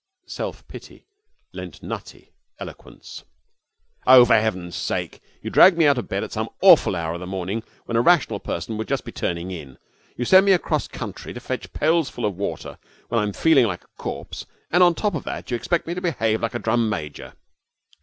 Self pity lent Nutty eloquence. 'For Heaven's sake! You drag me out of bed at some awful hour of the morning when a rational person would just be turning in; you send me across country to fetch pailfuls of water when I'm feeling like a corpse; and on top of that you expect me to behave like a drum major!'